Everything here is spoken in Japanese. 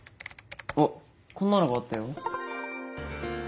あっこんなのがあったよ。